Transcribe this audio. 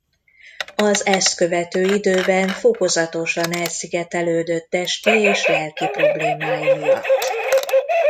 Az ezt követő időben fokozatosan elszigetelődött testi és lelki problémái miatt.